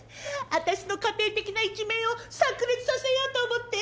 私の家庭的な一面を炸裂させようと思って。